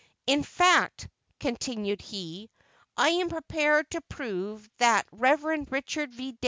"In fact," continued he, "I am prepared to prove that the Rev. Richard V.